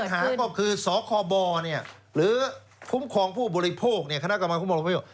แต่ปัญหาก็คือสคบเนี่ยหรือคุ้มครองผู้บริโภคเนี่ย